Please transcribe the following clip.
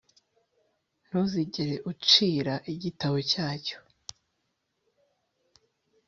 ntuzigere ucira igitabo cyacyo